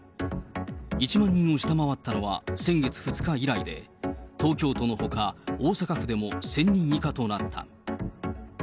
１万人を下回ったのは先月２日以来で、東京都のほか、大阪府でも１０００人以下となった。